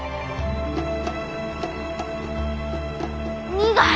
苦い。